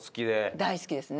大好きですね。